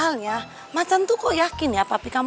tahan susu tangan